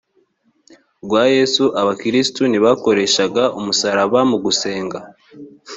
rwa yesu abakristo ntibakoreshaga umusaraba mu gusenga